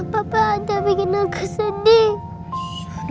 papa udah bikin aku sedih